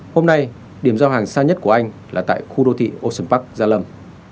hôm nay điểm giao hàng xa nhất của anh là tại khu đô thị ocean park gia lâm